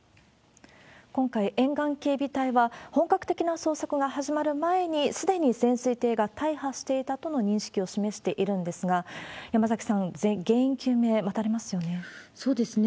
今回、沿岸警備隊は本格的な捜索が始まる前に、すでに潜水艇が大破していたとの認識を示しているんですが、山崎さん、原因究明、そうですね。